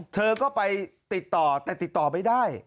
เธอก็ไปติดต่อแต่ติดต่อไม่ได้